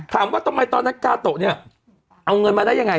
ถามว่าทำไมตอนนั้นกาโตะเนี่ยเอาเงินมาได้ยังไง